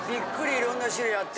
いろんな種類あって。